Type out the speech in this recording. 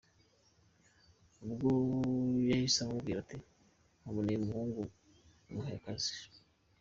Ubwo yahise amubwira ati nkuboneye umuhungu muhe akazi.